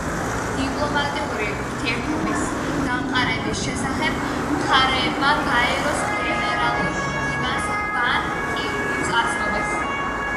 დიპლომატიური ურთიერთობების დამყარების შესახებ მხარეებმა გაერო-ს გენერალურ მდივანს ბან კი მუნს აცნობეს.